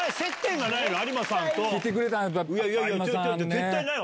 絶対ないわ！